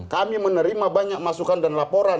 kami menerima banyak masukan dan laporan